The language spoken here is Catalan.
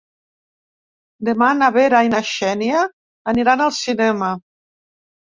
Demà na Vera i na Xènia aniran al cinema.